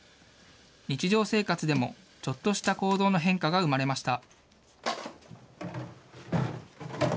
日常生活でも、ちょっとした行動の変化が生まれました。